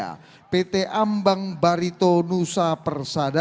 pt birok klasifikasi indonesia pt ambang barito nusa persada